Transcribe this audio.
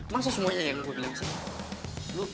masa semuanya yang gue bilang sih